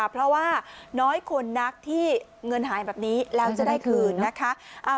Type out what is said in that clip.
เพราะว่าน้อยคนนักที่เงินหายแบบนี้แล้วจะได้คืนนะคะ